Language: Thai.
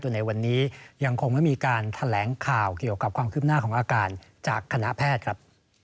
โดยในวันนี้ยังคงไม่มีการแถลงข่าวเกี่ยวกับความคืบหน้าของอาการจากคณะแพทย์ครับ